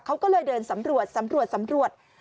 เขาก็เลยเดินสำรวจสำรวจสำรวจ